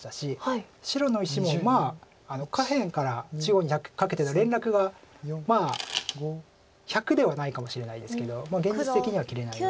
白の石もまあ下辺から中央にかけての連絡が１００ではないかもしれないですけど現実的には切れないので。